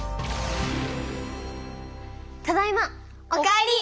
ただいま！お帰り！